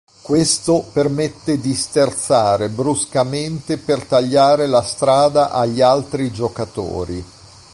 Questo permette di sterzare bruscamente per tagliare la strada agli altri giocatori.